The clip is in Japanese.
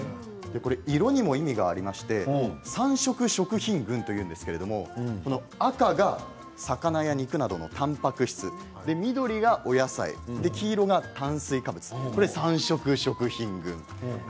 色にも意味がありまして３色食品群というんですけれど赤が魚や肉などのたんぱく質緑がお野菜黄色は炭水化物、３色食品群なんですね。